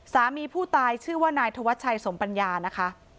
สามีผู้ตายชื่อว่านายธวัชชัยสมปัญญานะคะ